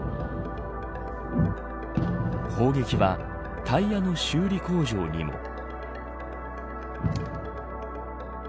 砲撃はタイヤの修理工場にも。